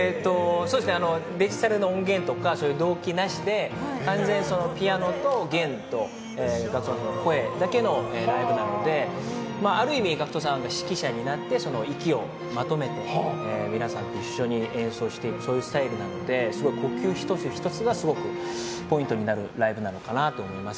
デジタルの音源とか同期なしで完全にピアノと弦とＧＡＣＫＴさんの声だけのライブなので、ある意味ＧＡＣＫＴさんが指揮者になって息をまとめて皆さんと一緒に演奏していくスタイルなのですごく呼吸１つ１つがポイントになるライブなのかなと思います。